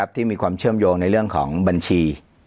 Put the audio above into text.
ที่มีความเชื่อมโยงในเรื่องของบัญชี